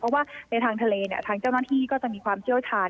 เพราะว่าในทางทะเลทางเจ้าหน้าที่ก็จะมีความเชี่ยวชาญ